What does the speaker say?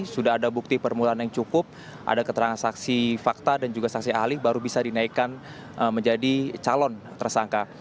sudah ada bukti permulaan yang cukup ada keterangan saksi fakta dan juga saksi ahli baru bisa dinaikkan menjadi calon tersangka